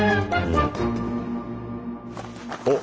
おっ！